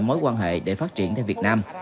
mối quan hệ để phát triển theo việt nam